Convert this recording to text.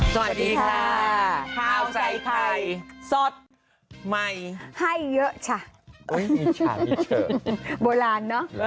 สวัสดีค่ะข้าวใส่ไทยสดใหม่ให้เยอะชะโอ้ยอีกชะอีกเฉอะโบราณเนอะ